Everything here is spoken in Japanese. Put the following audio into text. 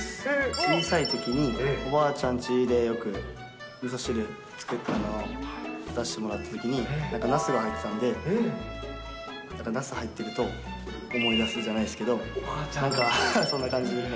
小さいときに、おばあちゃんちでよくみそ汁作ったのを出してもらったときに、なすが入ってたんで、ナス入ってると、思い出すじゃないですけど。